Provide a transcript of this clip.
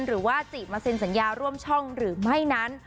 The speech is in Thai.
หรือว่าจีบมาเซ็นสัญญาร่วมช่องหรือไม่นั้น